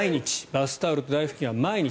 バスタオルと台布巾は毎日。